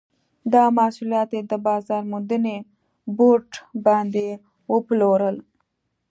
دا محصولات یې د بازار موندنې بورډ باندې وپلورل.